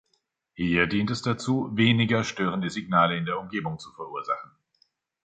Hier dient es dazu, weniger störende Signale in der Umgebung zu verursachen.